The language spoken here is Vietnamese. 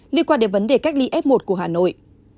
liên quan đến vấn đề cách ly f một của hà nội